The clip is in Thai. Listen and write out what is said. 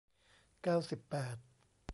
เก้าสิบแปด